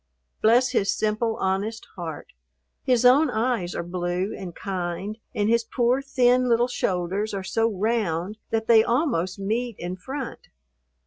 Bless his simple, honest heart! His own eyes are blue and kind, and his poor, thin little shoulders are so round that they almost meet in front.